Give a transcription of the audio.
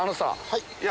はい？